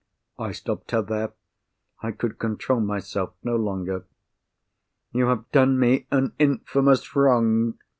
I stopped her there. I could control myself no longer. "You have done me an infamous wrong!"